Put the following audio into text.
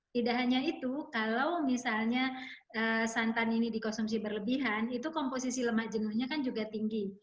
tidak hanya itu kalau misalnya santan ini dikonsumsi berlebihan itu komposisi lemak jenuhnya kan juga tinggi